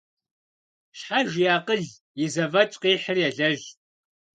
Щхьэж и акъыл, и зэфӀэкӀ къихьыр елэжь.